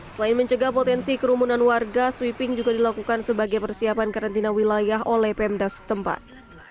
selain mencegah potensi kerumunan warga sweeping juga dilakukan sebagai persiapan karantina wilayah oleh pemda setempat